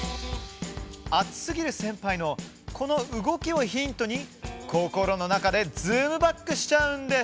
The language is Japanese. アツすぎる先輩のこの動きをヒントに心の中でズームバックしちゃうんです。